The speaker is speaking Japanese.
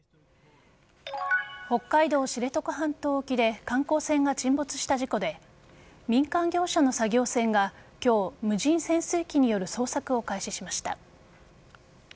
北海道知床半島沖で観光船が沈没した事故で民間業者の作業船が今日無人潜水機による捜索を開始しました。